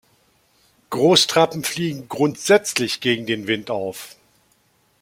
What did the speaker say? Großtrappen fliegen grundsätzlich gegen den Wind auf.